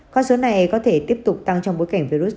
con số này có thể tiếp tục tăng trong bối cảnh virus